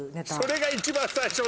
それが一番最初なの？